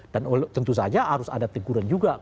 dan tentu saja harus ada teguran juga